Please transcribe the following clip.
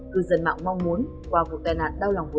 cư dân mạng mong muốn qua vụ tai nạn đau lòng vừa